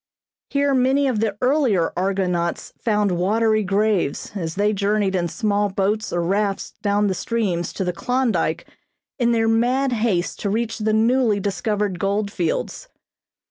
Here many of the earlier argonauts found watery graves as they journeyed in small boats or rafts down the streams to the Klondyke in their mad haste to reach the newly discovered gold fields.